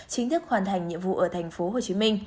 chính thức hoàn thành nhiệm vụ ở tp hcm